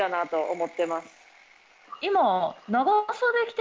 今。